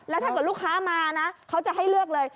แล้วถ้าเกิดลูกค้ามานะเขาจะให้เลือกเลย